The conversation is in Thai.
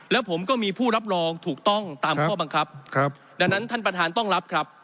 แล้วผมก็มีผู้รับรองถูกต้องตามข้อบังคับครับดังนั้นท่านประธานต้องรับครับ